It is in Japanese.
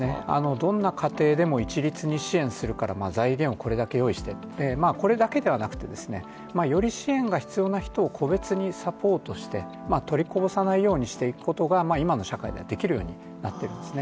どんな家庭でも一律に支援するから財源をこれだけ用意して、これだけではなくて、より支援が必要な人を個別にサポートして取りこぼさないようにしていくことが今の社会ではできるようになっているんですね